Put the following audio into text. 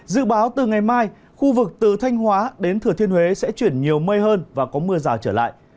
dự báo từ ngày mai khu vực từ thanh hóa đến thừa thiên huế sẽ chuyển nhiều mây hơn và có mưa rào trở lại